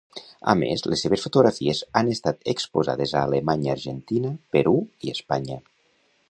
A més, les seves fotografies han estat exposades a Alemanya, Argentina, Perú i Espanya.